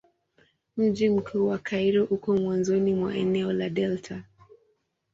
Mji mkuu wa Kairo uko mwanzoni mwa eneo la delta.